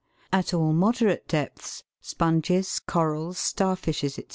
At all moderate depths, sponges, corals, star fishes, &c.